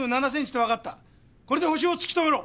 これでホシを突き止めろ！